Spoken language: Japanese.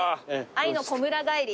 『愛のこむらがえり』